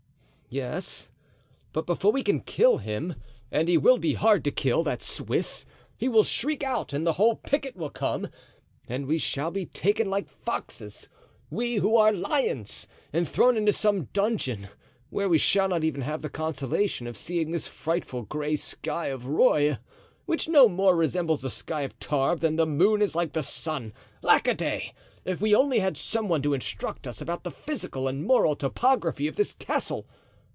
"Yes, but before we can kill him—and he will be hard to kill, that Swiss—he will shriek out and the whole picket will come, and we shall be taken like foxes, we, who are lions, and thrown into some dungeon, where we shall not even have the consolation of seeing this frightful gray sky of Rueil, which no more resembles the sky of Tarbes than the moon is like the sun. Lack a day! if we only had some one to instruct us about the physical and moral topography of this castle.